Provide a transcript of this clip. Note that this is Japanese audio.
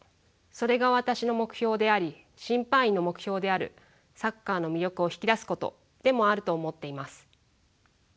それが私の目標であり審判員の目標であるサッカーの魅力を引き出すことでもあると思っています。